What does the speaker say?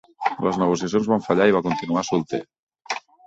Les negociacions van fallar i va continuar solter.